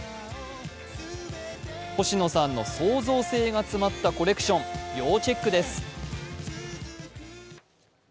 星野さんの創造性が詰まったコレクション、要チェックです。